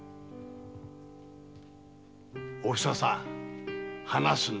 おふささん話すんだよ。